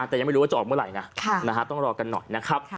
แต่ยังไม่รู้ว่าจะออกเมื่อไหร่นะต้องรอกันหน่อยนะครับ